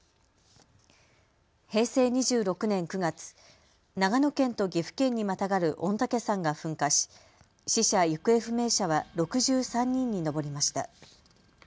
平成２６年９月、長野県と岐阜県にまたがる御嶽山が噴火し死者・行方不明者は６３人に上りました。